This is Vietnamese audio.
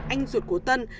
anh ruột của tân